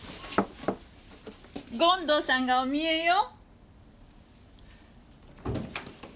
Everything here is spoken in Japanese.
権藤さんがお見えよ。